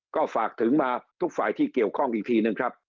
ก็ฝากถึงมาทุกฝ่ายที่เกี่ยวข้องอีกทีนึงครับ